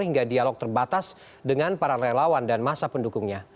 hingga dialog terbatas dengan para relawan dan masa pendukungnya